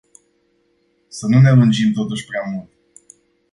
Să nu ne lungim totuși prea mult.